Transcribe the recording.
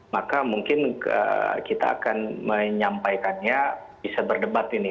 maka mungkin kita akan menyampaikannya bisa berdebat ini